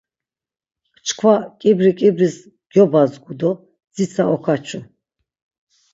Çkva ǩibri ǩibris gyobadzgu do dzitsa okaçu.